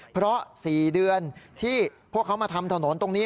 เพราะ๔เดือนที่พวกเขามาทำถนนตรงนี้